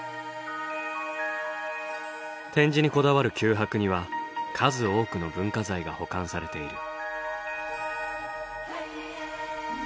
展示にこだわる九博には数多くの文化財が保管されている。